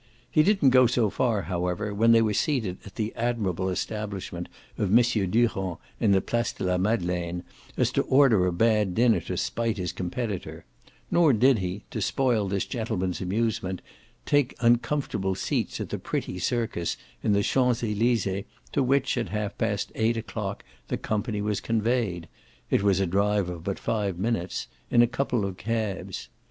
He didn't go so far, however, when they were seated at the admirable establishment of M. Durand in the Place de la Madeleine, as to order a bad dinner to spite his competitor; nor did he, to spoil this gentleman's amusement, take uncomfortable seats at the pretty circus in the Champs Elysees to which, at half past eight o'clock, the company was conveyed it was a drive of but five minutes in a couple of cabs.